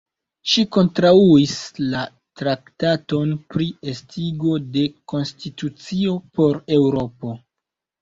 Ŝi kontraŭis la Traktaton pri Estigo de Konstitucio por Eŭropo.